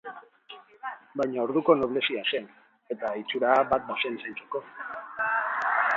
Baina orduko noblezia zen, eta itxura bat bazen zaintzeko.